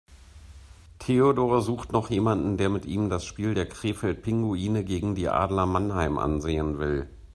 Theodor sucht noch jemanden, der mit ihm das Spiel der Krefeld Pinguine gegen die Adler Mannheim ansehen will.